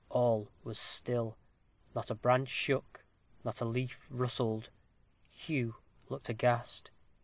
All was still: not a branch shook, not a leaf rustled. Hugh looked aghast.